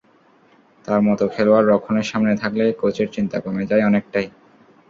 তাঁর মতো খেলোয়াড় রক্ষণের সামনে থাকলে কোচের চিন্তা কমে যায় অনেকটাই।